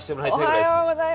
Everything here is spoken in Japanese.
おはようございま。